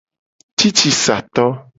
Cicisato.